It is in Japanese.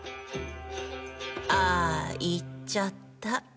あ行っちゃった。